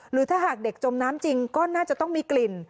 หรือถ้าหากเด็กจมน้ำจริงก็น่าจะต้องมีกลิ่น